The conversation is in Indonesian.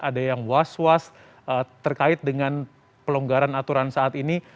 ada yang was was terkait dengan pelonggaran aturan saat ini